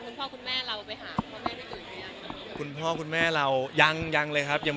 นั่นนี้พี่กัลพาคุณพ่อคุณแม่เราไปหาพ่อแม่ที่อื่นไม่ยัง